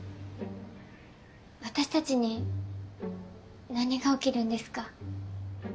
私たちに何が起きるんですか？